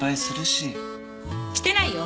してないよ。